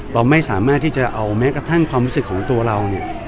เราไม่สามารถที่จะเอาแม้กระทั่งความรู้สึกของตัวเราเนี่ย